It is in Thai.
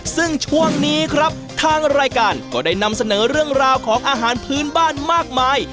ซึ่งช่วงนี้ครับทางรายการก็ได้นำเสนอเรื่องราวของอาหารพื้นบ้านมากมาย